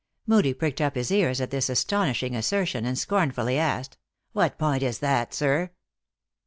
Moodie pricked up his ears at this astounding as sertion, and scornfully asked :" What point is that, sir?"